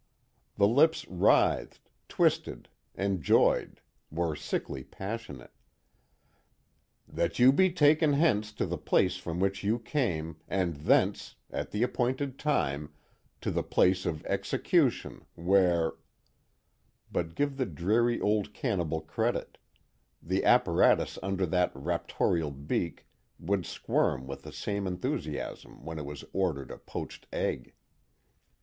The lips writhed, twisted, enjoyed, were sickly passionate: "that you be taken hence to the place from which you came, and thence, at the appointed time, to the place of execution, where " but give the dreary old cannibal credit, the apparatus under that raptorial beak would squirm with the same enthusiasm when it was ordering a poached egg.